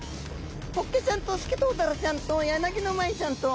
ホッケちゃんとスケトウダラちゃんとヤナギノマイちゃんと。